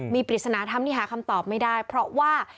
มีปริศนาธรรมที่หาคำตอบไม่ได้เพราะว่า